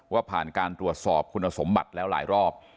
ผ่านการตรวจสอบคุณสมบัติแล้วหลายรอบ